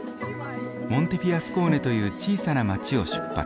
モンテフィアスコーネという小さな街を出発。